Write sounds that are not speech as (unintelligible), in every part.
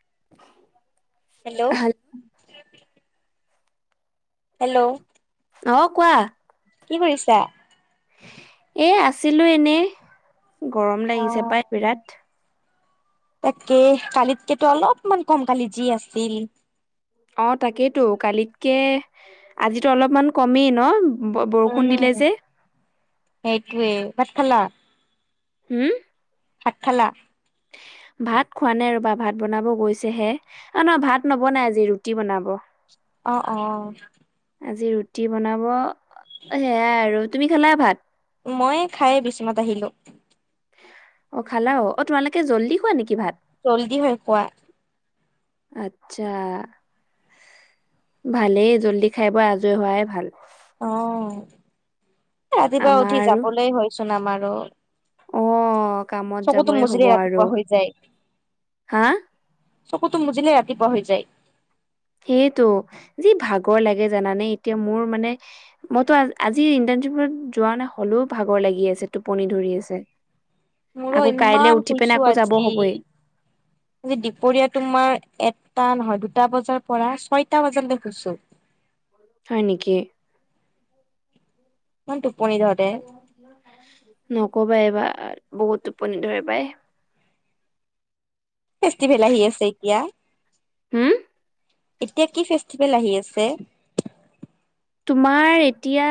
(inaudible) Hello hello- hello অ' কোৱা। কি কৰিছা? এ আছিলো এনে, গৰম লাগিছে পাই বিৰাট। তাকে কালিতকেতো অলপমান কম কালি যি আছিল। অ' তাকেইেতো, কালিতকে আজিতো অলপমান কমেই ন? বৰষুণ উম। দিলে যে। সেইটোৱে, ভাত খালা? হম। ভাত খালা? ভাত খোৱা নাই ৰবা ভাত বনাব গৈছেহে আ, নহয় ভাত নবনাই আজি ৰুটি বনাব। অ', অ', আজি ৰুটি বনাব সেয়াই আৰু তুমি খালা ভাত? মই খাইে বিচনাত আহিলো। অ', খালা অ, অ, তোমালোকে জল্দি খোৱা নেকি ভাত? জল্দি হয় খোৱা। আচ্ছা। ভালেই জল্দি খাই বৈ আজৰি হোৱাই ভাল। অ', ৰাতিপুৱা আমাৰ উঠি আৰু যাবলৈ হয়চোন আমাৰো। অ কামত চকুটো যাবই হ'ব মুচিলেই আৰু ৰাতিপুৱা হৈ যায়। হা চকুটো মুজিলে ৰাতিপুৱা হৈ যায়। সেইটো যি ভাগৰ লাগে জানানে এতিয়া মোৰ মানে মইতো আজি যোৱা নাই হলেও ভাগৰ লাগি আছে টোপনি ধৰি আছে। মোৰো আকৌ কাইলে ইমান উঠি পিনে শুইছো আকৌ যাব আজি হ'বই আজি দুপৰীয়া তোমাৰ এটা নহয় দুটা বজাৰ পৰা ছয়টা বজালৈ শুছো। হয় নেকি? অ'তো। নকবা এইবাৰ আৰু বহুত টোপনি ধৰি পায়। ফেষ্টিভেল আহি আছে এতিয়া হম এতিয়া কি ফেষ্টিভেল আহি আছে? তোমাৰ এতিয়া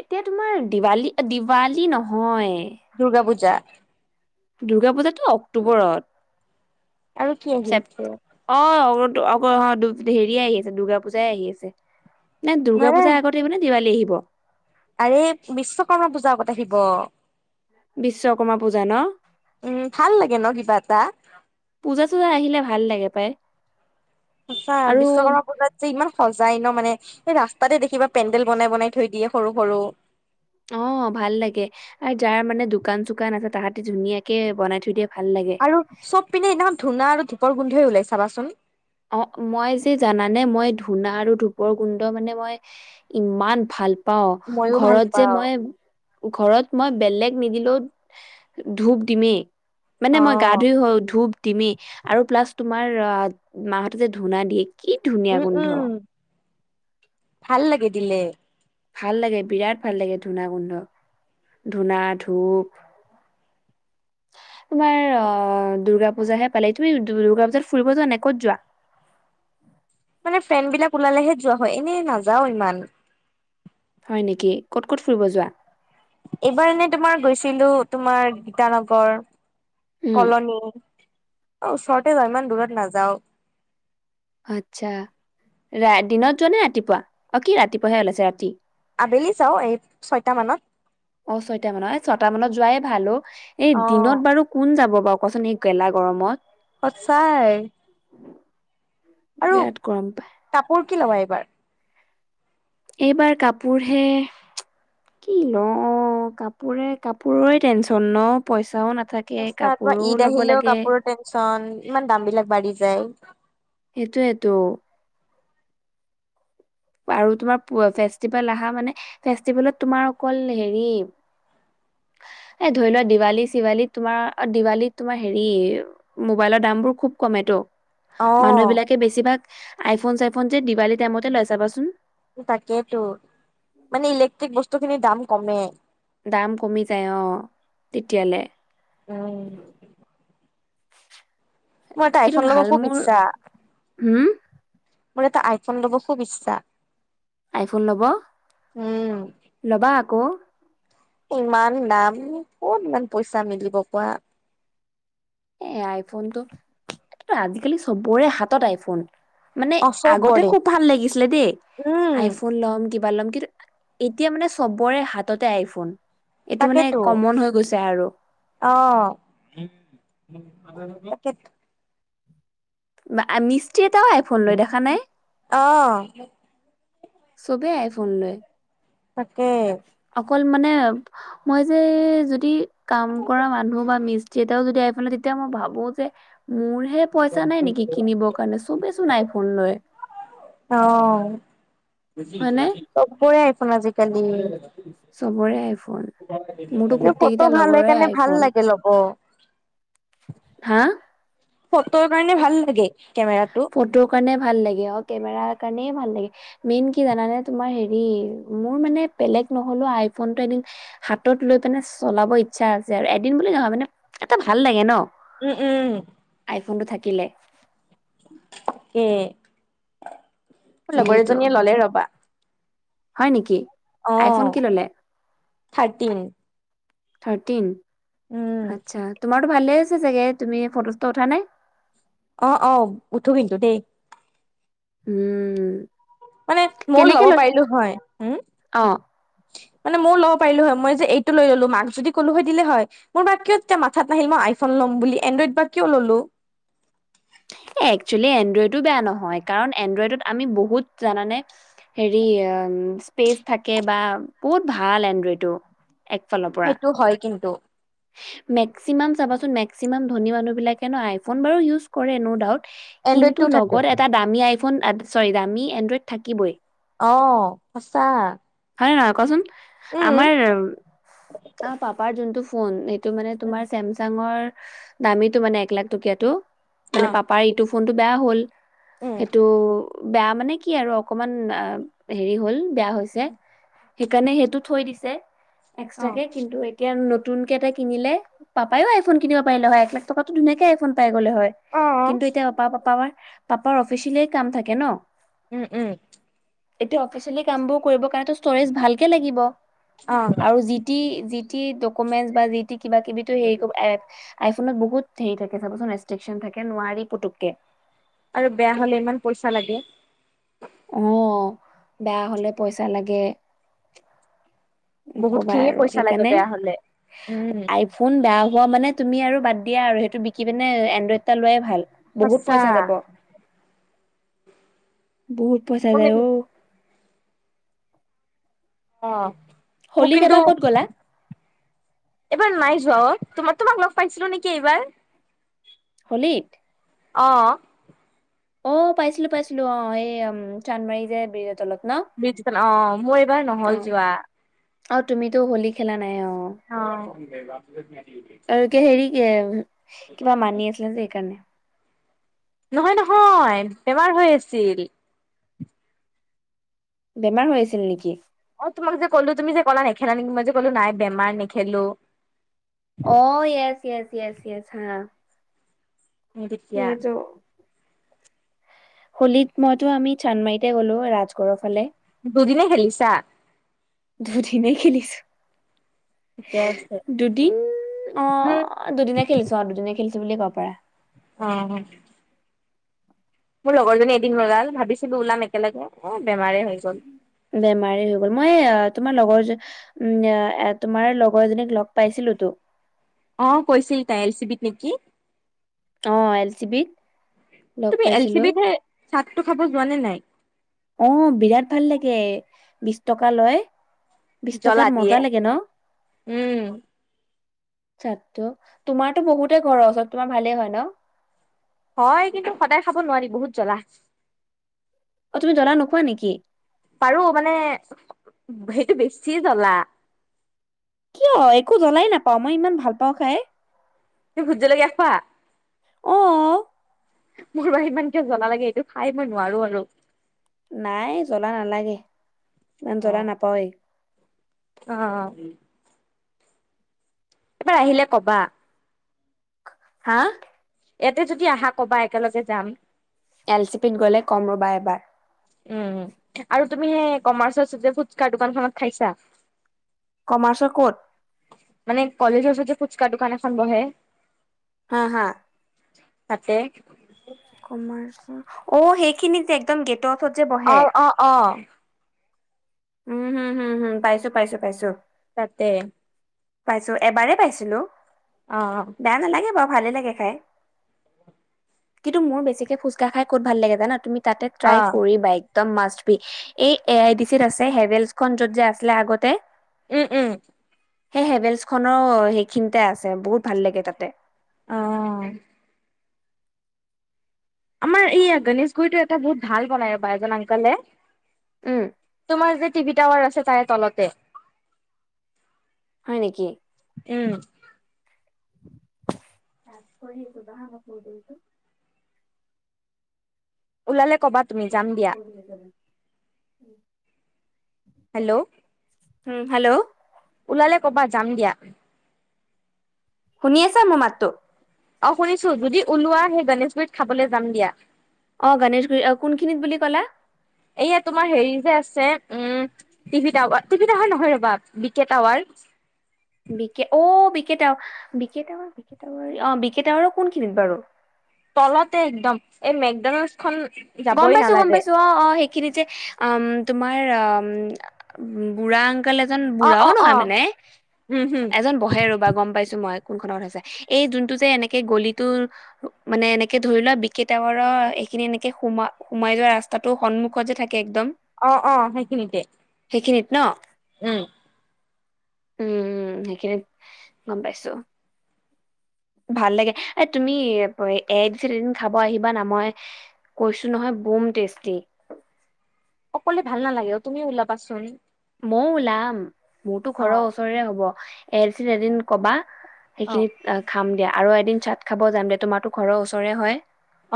এতিয়া তোমাৰ দিৱালী দিৱালী নহয় দুৰ্গা পূজা। দুৰ্গা পূজাটো অক্টোবৰত। আৰু কি আহি চেপ আছে অ', হেৰিয়ে আহি আছে দুৰ্গা পূজাই আহি আছে। নে নাই দুৰ্গা নাই পূজাৰ আগত আহিব নে দিৱালী আহিব? আৰে বিশ্বকৰ্মা পূজা আগত আহিব। বিশ্বকৰ্মা পূজা ন'। উম ভাল লাগে ন কিবা এটা পূজা চূজা আহিলে ভাল লাগে পাই। সঁচা আৰু বিশ্বকৰ্মা পূজাত যে ইমান সজাই ন'। মানে এই ৰাস্তাতে দেখিবা পেণ্ডেল বনাই বনাই থৈ দিয়ে সৰু সৰু। অ', ভাল লাগে আৰু যাৰ মানে দোকান চোকান আছে তাহঁতি ধুনীয়াকে বনাই থৈ দিয়া। আৰু চব পিনে এদিনাখন ধূনা আৰু ধূপৰ গোন্ধয়ে ওলাই চাবাচোন। অ', মই যে জানানে মই ধূনা আৰু ধূপৰ গোন্ধ মানে মই ইমান ভাল পাওঁ মইয়ো ভাল ঘৰত যে পাওঁ মই ঘৰত মই বেলেগ নিদিলেও ধূপ দিমেই মানে অ মই গা ধুই হ ধূপ দিমি আৰু প্লাছ তোমাৰ মাহতে যে ধূনা দিয়ে কি ধুনীয়া উম গোন্ধ। উম ভাল লাগে দিলে। ভাল লাগে বিৰাট ভাল লাগে ধূনা গোন্ধ ধূনা ধূপ। (inaudible) তোমাৰ অ, দুৰ্গা পূজাহে পালে, তুমি দুৰ্গা পূজাত ফুৰিব যোৱা নাই ক'ত যোৱা? মানে ফ্ৰেণ্ড বিলাক ওলালেহে যোৱা হয় এনেই নাযাও ইমান। হয় নেকি ক'ত ক'ত ফুৰিব যোৱা? এইবাৰ এনে তোমাৰ গৈছিলোঁ তোমাৰ গীতানগৰ। উম, কলনী অ, ওচৰতে যাওঁ ইমান দূৰত নাযাওঁ। আচ্ছা ৰা দিনত যোৱা নে ৰাতিপুৱা অ, কি ৰাতিপুৱাহে ওলাইছে আছে ৰাতি? আবেলি যাওঁ এই ছয়টা মানত। অ', ছয়টা মানত এ ছয়টা মানত যোৱাই ভাল অ, এই অ দিনত বাৰু কোন যাব বাৰু। কচোন এই গেলা গৰমত। সঁচাই। আৰু বিৰাট গৰম পায়। কাপোৰ কি ল'বা এইবাৰ? এইবাৰ কাপোৰ হে কি লওঁ, কাপোৰে, কাপোৰৰে টেনচন ন পইচাও না সঁচা, তোমাৰ ঈদ আহিলেও কাপোৰৰ টেনচন, ইমান দাম বিলাক বাঢ়ি যায়। সেইটোৱেতটো। বাৰু তোমাৰ, ফেষ্টিভেল আহা মানে, ফেষ্টিভেলত তোমাৰ অকল হেৰি। এ ধৰি লোৱা দিৱালী-চিৱালী তোমাৰ, অ', দিৱালী তোমাৰ হেৰি মোবাইলৰ দাম দামবোৰ খুব কমেটো। অ মানুহবিলাকে বেছিভাগ, আইফোন-চাইফোন যে দিৱালী টাইমতে লয় চাবাচোন। তাকেইতো মানে, ইলেক্ট্ৰিক বস্তুখিনিৰ দাম কমে। দাম কমি যায় অ', তেতিয়ালে। উম। মোৰ এটা কিন্তু আইফোন ল'ব ভাল খুব মোৰ ইচ্ছা। হম মোৰ এটা আইফোন ল'ব খুব ইচ্ছা। আইফোন ল'ব, উম ল'বা আকৌ। ইমান দাম, ক'ত ইমান পইচা মিলিব কোৱা। এ আইফোনটো, আজিকালি চবৰে হাতত আইফোন। মানে অ আগতে চবৰে খুব ভাল লাগিছিলে দেই, উম আইফোন ল'ম কিবা ল'ম। কিন্তু, এতিয়া মানে চবৰে হাততে আইফোন। এইটো মানে তাকেতো কমন হৈ গৈছে আৰু অ'। (inaudible) মিষ্টিৰি এটাও আইফোন লয় দেখা নাই। অ চব আইফোন লয়। তাকে। অকল মানে, মই যে যদি কাম কৰা মানুহ বা মিচ মিষ্টিৰী এটাও যদি আইফোন লয়, তেতিয়া মই ভাবো যে, মোৰ হে পইচা নাই নেকি কিনিবৰ কাৰণে, চবেই চোন নাই ফোন লয়। অ', হয়নে চবৰে আইফোন আজিকালি। চবৰে আইফোন ফটো মোৰতো গোটেই কেইটা ভাল হয়, লগৰে সেইকাৰণে ভাল আইফোন লাগে ল'ব। (inaudible) হা? ফটোৰ কাৰণে ভাল লাগে। কেমেৰাটো। ফটো কাৰণে ভাল লাগে। কেমেৰা কাৰণ ভাল লাগে, মেইন কি জানানে তোমাৰ হেৰি, মোৰ মানে বেলেগ নহ'ল আইফোন টো এদিন হাতত লৈ পেনে চলাব ইচ্ছা আছে আৰু, এদিন বুলি নহয়, মানে এটা ভাল লাগে ন'। উম, উম। ফোনটো থাকিলে। উম। মোৰ লগৰ সেইটো এজনীয়ে ল'লে ৰ'বা। হয় নেকি? আইফোন আহ, কি ল'লে? থাৰ্টিন। থাৰটিন? উম, আচছা, তোমাৰতটো ভালে আছে চাগে, তুমি ফটো-চটো উঠা নে? অ', অ', উঠো কিন্তু দেই উম। মানে, ময়ো কেনেকে ল'ব লৈ পাৰিলো হয়, উম। অ মানে ময় ল'ব পাৰিলো হয়, মই যে এইটো লৈ ল'লো, মাক যদি ক'লো হয় দিলে হয়, মোৰ কিয় তেতিয়া মাথাত নাহিল মই আইফোন বুলি, এনড্ৰ'ইড বা কিয় ল'লো। এক্সোৱেলি এনড্ৰইডো বেয়া নহয়, কাৰণ এনড্ৰইডত আমি বহুত জানানে, হেৰি স্পেচ থাকে, বা বহুত ভাল এনড্ৰইটো। সেইটো হয় কিন্তু। মেক্সিমাম চাবাচোন মেক্সিমাম ধনী মানুহবিলাকে ন আইফোন বাৰু ইউজ কৰে নৌউ ডাউট। এনড্ৰইডটো কিন্তু থাকে লগত এটা দামী আইফোন চৰি দামী এনড্ৰইড থাকিবই। অ', সঁচা। হয়নে নহয় কৱাচোন উম। আমাৰ পাপাৰ যোনটো ফোন জোনটো মানে উম। তোমাৰ চেনচাঙৰ দামী তেওঁ মানে এক লাখ টকীয়া তেওঁ মানে অ', পাপায়ে এইটো ফোনটো বেয়া হ'ল। উম, সেইটো বেয়া মানে কি আৰু অকমান হেৰি হ'ল বেয়া হৈছে। সেইকাৰণে সেইটো থৈ দিছে অ', এক্সট্ৰাকে। কিন্তু এতিয়া আৰু নটো নতুনকে এটা কিনিলে পাপায়ো আইফোন কিনিব পাৰিলে হয় এক লাখ টকাতো ধুনিকে আইফোন পাই। হয়। কিন্তু এতিয়া পাপা আপা পাপাৰ অফিচিলেই কাম থাকে ন। উম, উম। এতিয়া অফিচিয়েলি কামবোৰ কৰিব কাৰণ ষ্টৰেজ ভালকে লাগিব অ', আৰু যিটি টি ডকুমেন্ট বা যি কিবা কিবি হেৰি এ আইফোনত বহুত হেৰি থাকে চাবচোন ৰেষ্ট্ৰিকশ্যন থাকে নোৱাৰি পুতুকে। আৰু বেয়া হলে ইমান পইচা লাগে। আহ বেয়া হ'লে পইচা লাগে। বহুত কবা খিনিয়ে আৰু পইচা লাগে সেইকাৰণে বেয়া হলে উম, আইফোন বেয়া ম মানে তুমি আৰু বাদ দিয়া আৰু সেইটো বিকি পিনে এণ্ড্ৰইড এটা লোৱাই ভাল। বহুত সঁচা। পইচা যাব বহুত পইচা যায় অ'। অ', মোক হলীত কিন্তু এবাৰ ক'ত গ'লা এবাৰ নাই যোৱা অ'। তোমাৰ তোমাক লগ পাইছিলো নেকি এইবাৰ? হলীত? অ'। অ', পাইছিলো পাইছিলো অ' এইযে চান্দমাৰি যে ব্ৰিজৰ তলত। ন জ অ' মোৰ এইবাৰ অ নহ'ল যোৱা। অ', তুমিতো হোলী খেলা নাই অ'। অ'। আৰু কি হেৰি কি কিবা মানি আছিলে যে সেইকাৰণে। নহয় নহয় বেমাৰ হৈ আছিল। বেমাৰ হৈ আছিল নেকি? অ', তোমাক যে কলো তুমি যে ক'লা নেখেলা নেকি মই যে ক'লো নাই বেমাৰ নেখেলো। অ', ইয়েছ ইয়েছ ইয়েছ ইয়েছ হা। সেইটো (inaudible) হোলীত মইতো আমি চান্দমাৰিতে গ'লো ৰাজগড়ৰ ফালে। দুইদিনে খেলিছা? দুদিনয়ে খেলিছো। ঠিকে আছে দুদিন উম, অ' দুদিনে খেলিছো আৰু দুদিনে খেলিছো। বুলি ক'ব পাৰা। অ'। মোৰ লগৰজনী এদিন ওলাল ভাবিছিলো ওলাম একেলগে এ বেমাৰে হৈ গ'ল। বেমাৰ হৈ গ'ল মই তোমাৰ লগৰ উম তোমাৰ লগৰজনীক লগ পাইছিলো। টো। অ', কৈছিল তাই এল চি বিত নেকি? অ', এল চি বিত। লগ তুমি এল চি পাইছিলো বি সেই চাটটো খাব যোৱা নে নাই? অ', বিৰাট ভাল লাগে বিশ টকা লয়। বিশ জ্বলা টকাত দিয়ে মজা লাগে ন। উম ছাটটো তোমাৰতো বহুতে ঘৰৰ ওচৰত তোমাৰ ভালেই হয় ন। হয়। কিন্তু, সদায় খাব নোৱাৰি বহুত জ্বলা। অ' তুমি জ্বলা নোখোৱা নেকি? পাৰো মানে সেইটো বেছি জ্বলা। কিয় একো জ্বলাই নাপাওঁ, মই ইমান ভাল পাওঁ খাই। তুমি ভুটজলকীয়া খোৱা। আহ। মোৰ বা ইমানকে জ্বলা লাগে এইটো খাই মই নোৱাৰো আৰু। নাই জ্বলা নালাগে, ইমান জ্বলা নাপাওে। অ' এবাৰ আহিলে কবা। হা ইয়াতে যদি আহা কবা একেলগে যাম। এল চি পিত গ'লে কম ৰবা এবাৰ। উম, আৰু তুমি সেই কমাৰ্চত ফুচকাৰ দোকানখনত খাইছা। কমাৰ্চৰ ক'ত মানে কলেজৰ ওচৰত যে ফুচকা দোকান এখন বহে। হা, হা। তাতে কমাৰ্চ অ' সেইখিনি যে একদম গেট অ' অ' অ'। উম, হুম হম হুম পাইছো, পাইছো, পাইছো। তাতে পাইছো, এবাৰ পাইছিলো অ'। বেয়া নালাগে বাৰু ভালে লাগে। কিন্তু মোৰ বেছিকে ফুচকা খাই ক'ত ভাল লাগে জানা তুমি। তাতে ট্ৰাই অ', কৰিবা, একদম মাষ্ট বি এই এ আইটি চিত আছে। হেভেলছ খন য'ত যে আছিলে আগতে। উম, উম। সেই হেভেলছ খনৰো সেইখিনিতে আছে বহুত ভাল লাগে তাতে। আহ আমাৰ এই গণেশগুৰিটো এটা বহুত ভাল বনাই ৰ'বা এজন বাইগন আংকলে। উম, তোমাৰ যে টিভি টাৱাৰ আছে তাৰে তলতে। হয় নেকি? উম, ত কই হেই গদঢ়া কাপুৰ টো যে। ওলালে কবা তুমি যাম দিয়া। উম। হেল্ল' উম, হেল্ল' ওলালে কবা যাম দিয়া। শুনি আছা মোৰ মাতটো। অ' শুনিছো যদি ওলোৱা সেই গনেেশগুৰিত খাবলৈ যাম দিয়া। অ' গণেশুৰি কোনখিনিত বুলি ক'লা। এইয়া তোমাৰ হেৰি যে আছে, উম, টিভি টাৱাৰ টিভি টাৱাৰ নহয় ৰ'বা বিকে টাৱাৰ। (unintelligible) বিক অ' বিকেত বিকেত বিকেতাৱ অ' বিকেতাৱাৰো কোনখিনিত বাৰু। তলতে একদম এই মেঘডান। গ'ম পাইছো, গ'ম পাইছো, অ' অ'। এই খিনি যে উম তোমাৰ উম বুঢ়া আংকোল। আজ কাল এজন অ', বুঢ়াও অ', নহয় অ'। মানে। উম, হুম, এজন বহে ৰবা গ'ম পাইছো মই। কোনখনত হৈছে এই যোনটো যে এনেকে গলিটোৰ মানে এনেকে ধৰি লোৱা বিকেতাৱৰৰ এইখিনি এ কে সোমা সোমাই যোৱা ৰাস্তাটো সন্মুখত যে থাকে একদম। অ' অ' সেইখিনিতে। সেইখিনিত ন। উম। উম, সেইখিনিত গ'ম পাইছো। ভাল লাগে এ তুমি এ দিছ এদিন খাব আহিবা না মই। কৈচু নহয় বোম টেষ্টি। অক'লে ভাল নালাগে তুমি ওলাবাচোন। ময়ও ওলাম, মোৰতো অ। ঘৰৰ ওচৰেৰে হ'ব এ দিছ এদিন কবা। অ সেইখিনিত খাম দিয়া আৰু এদিন চাট খাব যাম দিয়া তোমাৰতো ঘৰৰ ওচৰে হয়।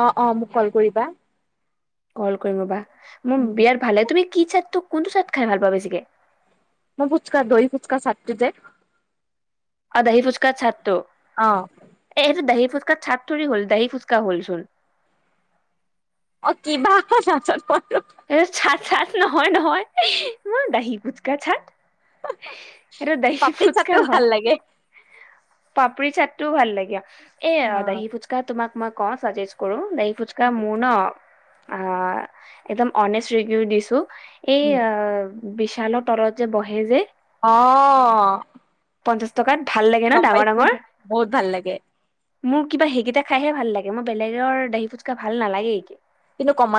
অ' অ' মোক কল কৰিবা। কল কৰিম ৰবা, মোৰ উম, বিয়াত ভালে লাগে তুমি কি চাইদটোক কোনটো চাইদ খাই ভাল পোৱা বেচিকে। মই ফুচকা দহি ফুচকা চাৰটো যে। আৰু দহি ফুচকা চাতটো অ এটো দহি। ফুচকাৰ ছাতৰি হ'ল দহি ফুচকা হলচোন। অ' কিবা অ'ক (unintelligible) এ চাট চাট নহয় নহয় ম দাহি কুচকা চাট। এটো দহি পাপৰি ফুচকা চাটটো ভাল হয়। লাগে। পাপৰি চাটতটোও ভাল লাগে, এ অ, দাহি ফুচকা তোমাক মই ক চাজেষ্ট কৰো দ। ফুচকা মোৰ ন একদম অনেষ্ট ৰিভিউ দিছো। এই উম। বিশালৰ তলত যে বহে যে। আহ। থকাত ভাল লাগে ন ডাঙৰ ডাঙৰ। বহুত ভাল লাগে। মোৰ কিবা সেইকেইটা খাইহে ভাল লাগে। মই বেলেগৰ দহি ফুট খাই ভাল নালাগেে কিন্তু কমা।